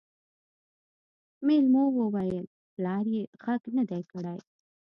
مېلمو وويل پلار يې غږ نه دی کړی.